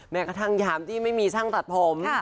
แม้กระทั่งยามที่ไม่มีช่างตัดผม